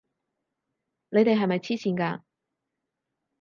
你哋係咪癡線㗎！